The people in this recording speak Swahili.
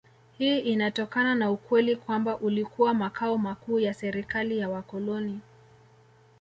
Hii inatokana na ukweli kwamba ulikuwa makao makuu ya serikali ya wakoloni